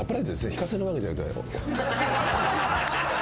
引かせるわけじゃなくて。